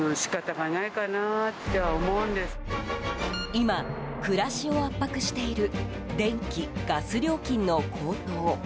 今、暮らしを圧迫している電気・ガス料金の高騰。